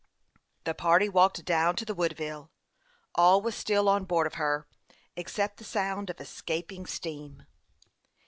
The party walked down to the Woodville. All was still on board of her, except the sound of escaping steam.